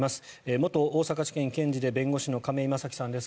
元大阪地検検事で弁護士の亀井正貴さんです。